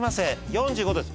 ４５度です